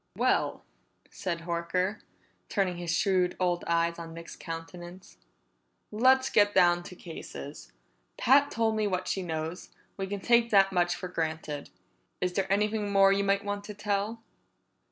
"Well," said Horker, turning his shrewd old eyes on Nick's countenance, "let's get down to cases. Pat's told me what she knows; we can take that much for granted. Is there anything more you might want to tell?"